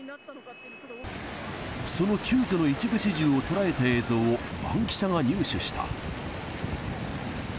その救助の一部始終を捉えた映像をバンキシャが入手した。